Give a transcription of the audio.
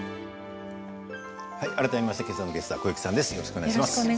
改めまして今日のゲストは小雪さんです。